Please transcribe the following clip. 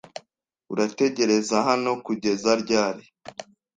Urategereza hano kugeza ryari.